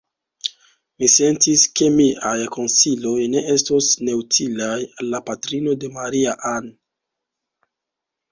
Mi sentis, ke miaj konsiloj ne estos neutilaj al la patrino de Maria-Ann.